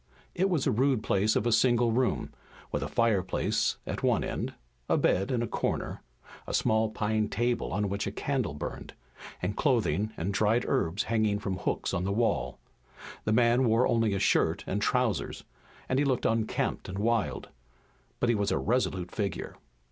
It was a rude place of a single room, with a fire place at one end, a bed in a corner, a small pine table on which a candle burned, and clothing and dried herbs hanging from hooks on the wall. The man wore only a shirt and trousers, and he looked unkempt and wild, but he was a resolute figure.